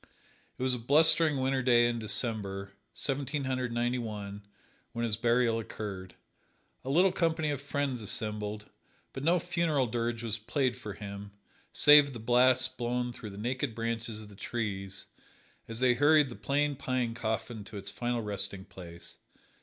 It was a blustering winter day in December, Seventeen Hundred Ninety one, when his burial occurred. A little company of friends assembled, but no funeral dirge was played for him, save the blast blown through the naked branches of the trees, as they hurried the plain pine coffin to its final resting place.